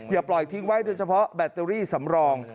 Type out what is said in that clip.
อย่าปล่อยทิ้งไว้โดยเฉพาะแบตเตอรี่สำรอง